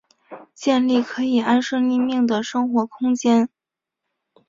建立可以安身立命的生活空间